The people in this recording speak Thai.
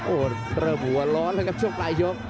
โอ้โหเริ่มหัวร้อนแล้วครับช่วงปลายยก